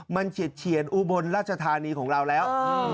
มันเฉียนอุบลราชธานีของเราแล้ว